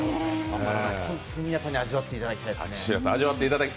本当に皆さんに味わっていただきたいですね。